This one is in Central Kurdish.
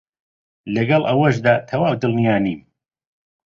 لەگەڵ ئەوەشدا تەواو دڵنیا نیم